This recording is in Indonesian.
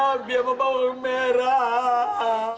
abi apa bawang merah